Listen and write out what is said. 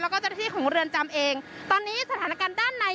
แล้วก็เจ้าหน้าที่ของเรือนจำเองตอนนี้สถานการณ์ด้านใน